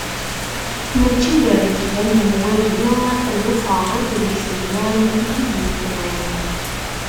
Mačči d rrekba n lemwaji, d ufarreǧ deg yiselman i t-id-yefnan.